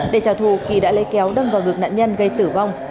để trả thù kỳ đã lấy kéo đâm vào ngực nạn nhân gây tử vong